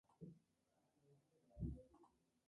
El álbum fue titulado originalmente "Straight To The Heart".